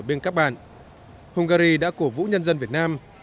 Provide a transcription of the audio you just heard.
từ năm hai nghìn hungary đã cổ vũ nhân dân việt nam